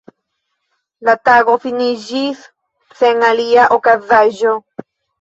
La tago finiĝis sen alia okazaĵo.